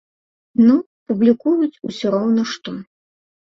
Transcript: Ну, публікуюць, усё роўна што.